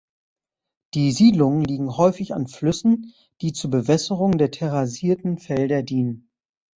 Die Siedlungen liegen häufig an Flüssen, die zur Bewässerung der terrassierten Felder dienen.